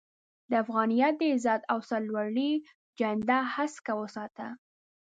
د افغانيت د عزت او سر لوړۍ جنډه هسکه وساته